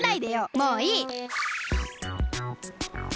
もういい！